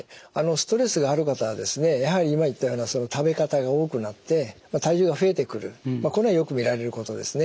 ストレスがある方はですねやはり今言ったような食べ方が多くなって体重が増えてくるこれはよく見られることですね。